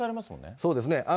そうですね。